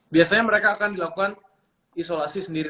biasanya mereka akan dilakukan isolasi sendiri